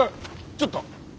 ちょっと。